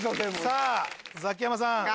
さぁザキヤマさん。